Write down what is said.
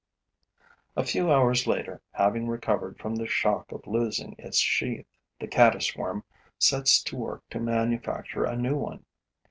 A few hours later, having recovered from the shock of losing its sheath, the caddis worm sets to work to manufacture a new one.